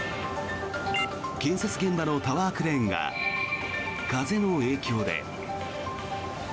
建設現場のタワークレーンが風の影響で。